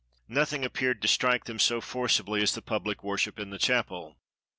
Nothing appeared to strike them so forcibly as the pubUc worship in the chapel.